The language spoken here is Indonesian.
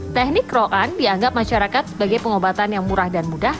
teknik kerokan dianggap masyarakat sebagai pengobatan yang murah dan mudah